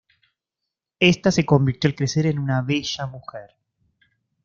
Esta se convirtió al crecer en una bella mujer.